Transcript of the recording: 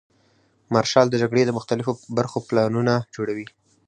مارشال د جګړې د مختلفو برخو پلانونه جوړوي.